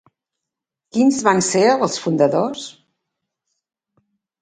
Quins van ser els fundadors?